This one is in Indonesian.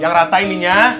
yang rata ini nya